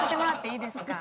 いいですか？